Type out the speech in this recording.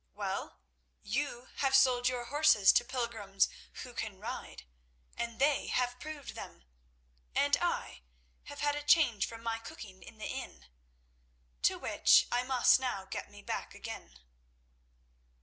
"Well, you have sold your horses to pilgrims who can ride, and they have proved them, and I have had a change from my cooking in the inn, to which I must now get me back again."